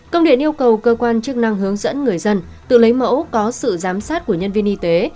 công điện yêu cầu cơ quan chức năng hướng dẫn người dân tự lấy mẫu có sự giám sát của nhân viên y tế